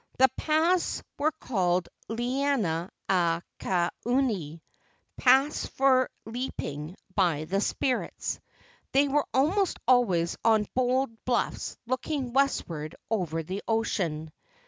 The paths were called Leina a ka uhane (paths for leaping by the spirit). They were almost always on bold bluffs looking westward over the ocean.